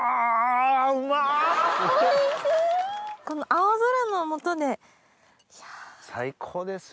この青空の下で。